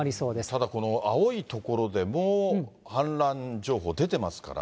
ただこの青い所でも、氾濫情報出てますから。